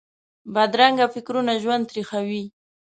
بدرنګه فکرونه ژوند تریخوي